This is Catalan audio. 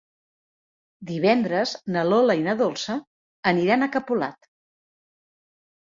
Divendres na Lola i na Dolça aniran a Capolat.